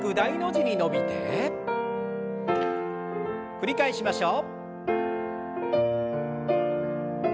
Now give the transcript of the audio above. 繰り返しましょう。